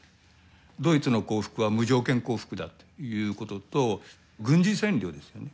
ドイツの降伏は無条件降伏だということと軍事占領ですよね。